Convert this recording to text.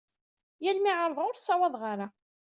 Yal mi ɛerḍeɣ ur ssawaḍeɣ ara.